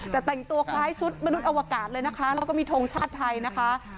แต่แต่งตัวคล้ายชุดมนุษย์อวกาศและมีโทงชาติไทยนะคะ